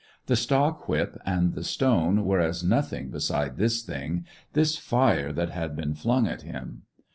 The stock whip and the stone were as nothing beside this thing this fire that had been flung at him.